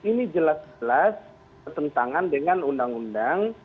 ini jelas jelas bertentangan dengan undang undang